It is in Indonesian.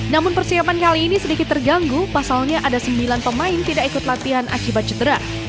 namun persiapan kali ini sedikit terganggu pasalnya ada sembilan pemain tidak ikut latihan akibat cedera